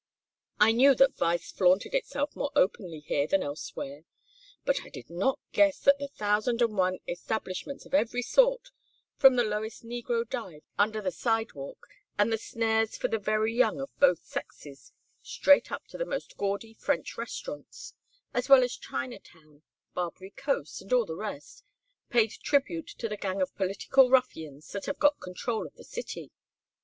I knew that vice flaunted itself more openly here than elsewhere, but I did not guess that the thousand and one establishments of every sort, from the lowest negro dive under the sidewalk, and the snares for the very young of both sexes, straight up to the most gaudy 'French restaurants,' as well as Chinatown, Barbary coast, and all the rest, paid tribute to the gang of political ruffians that have got control of the city.